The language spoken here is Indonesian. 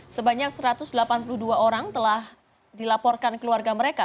sebanyak satu ratus delapan puluh dua orang telah dilaporkan keluarga mereka